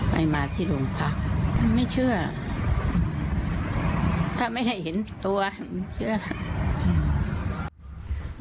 ไปมาที่ไม่เชื่อถ้าไม่ได้เเหยินตัวเชื่อ